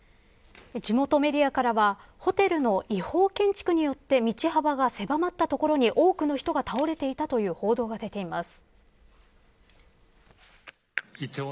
地元メディアからはホテルの違法建築によって道幅が狭まった所に多くの人が倒れていたという報道が出ています。